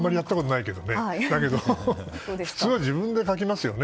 でも、普通は自分で書きますよね。